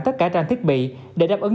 tất cả trang thiết bị để đáp ứng